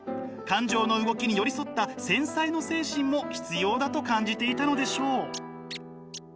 感情の動きに寄り添った繊細の精神も必要だと感じていたのでしょう。